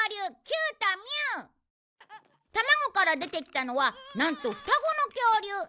卵から出てきたのはなんと双子の恐竜